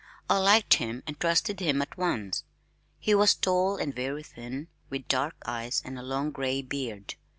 I liked him and trusted him at once. He was tall and very thin, with dark eyes and a long gray beard.